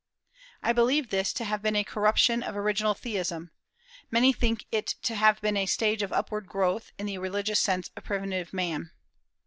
I believe this to have been a corruption of original theism; many think it to have been a stage of upward growth in the religious sense of primitive man.